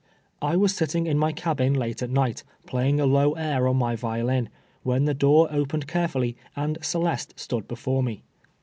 I was sitting in my cabin late at night, playing a low air on my violin, when the door oj^ened carefully, and Celeste stood before me.